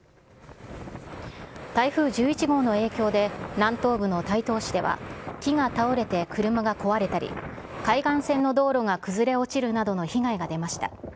台風１１号の影響で、南東部の台東市では、木が倒れて車が壊れたり、海岸線の道路が崩れ落ちるなどの被害が出ました。